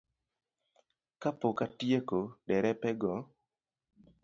Kapok atieko, derepego